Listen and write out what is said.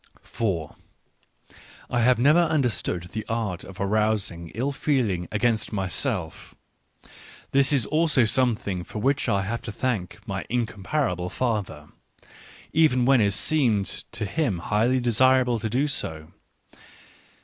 I have never understood the art of arousing ill feeling against myself, — this is also something for which I have to thank my incomparable father, — even when it seemed to me highly desirable to do so.